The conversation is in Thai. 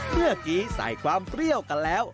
เมื่อกี้ใส่ความเปรี้ยวกันแล้ว